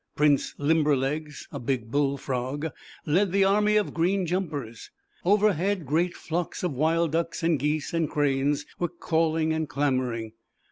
Prince Limberlegs, a big Bull Frog, led the army of Green lumpers. Over head, great flocks of J o 1 J /^ /Wild Ducks and Geese and Cranes, were calling and clamoring.